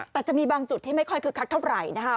แต่จะมีบางจุดที่ไม่ค่อยคึกคักเท่าไหร่นะคะ